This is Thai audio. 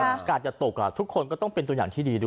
อากาศจะตกทุกคนก็ต้องเป็นตัวอย่างที่ดีด้วย